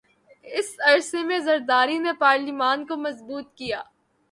س عرصے میں زرداری نے پارلیمان کو مضبوط کیا